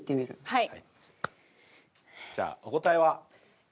はい。